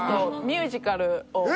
・ミュージカル？